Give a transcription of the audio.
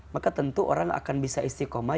maka tentu orang akan bisa istiqomah